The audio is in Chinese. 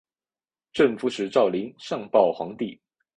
镇抚使赵霖上报皇帝。